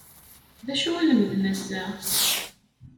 D acu i lemden ass-a?